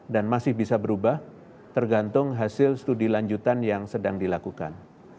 dan masih bisa berubah tergantung hasil studi lanjutan yang sedang dilakukan